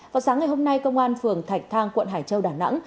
vào sáng ngày hôm nay công an phường thạch thang quận hải châu đà nẵng